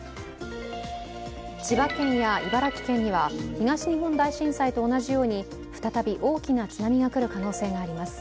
千葉県や茨城県には東日本大震災と同じように再び大きな津波が来る可能性があります。